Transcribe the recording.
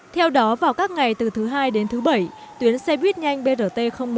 theo đó vào các ngày từ thứ hai đến thứ bảy tuyến xe buýt nhanh brt một